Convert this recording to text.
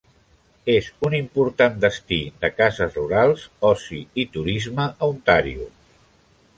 És un important destí de cases rurals, oci i turisme a Ontàrio.